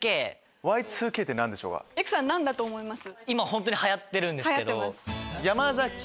育さん何だと思います？